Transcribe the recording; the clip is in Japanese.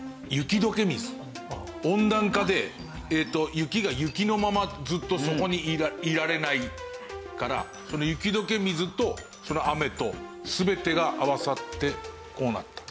温暖化で雪が雪のままずっとそこにいられないからその雪解け水と雨と全てが合わさってこうなったと。